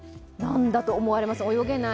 なんだと思われます。